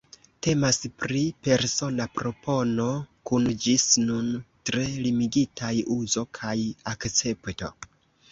Temas pri persona propono, kun ĝis nun tre limigitaj uzo kaj akcepto.